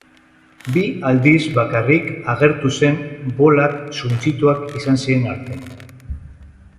Bi aldiz bakarrik agertu zen bolak suntsituak izan ziren arte.